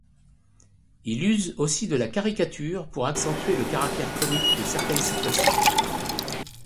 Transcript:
Il use aussi de la caricature pour accentuer le caractère comique de certaines situations.